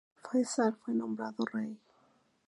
Fáisal fue nombrado rey.